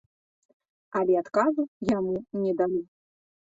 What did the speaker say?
Але адказу яму не далі.